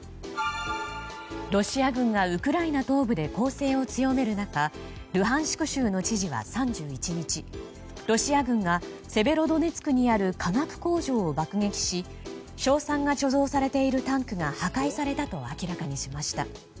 ロシア軍がウクライナ東部で攻勢を強める中ルハンシク州の知事は３１日ロシア軍がセベロドネツクにある化学工場を爆撃し硝酸が貯蔵されているタンクが破壊されたと明らかにしました。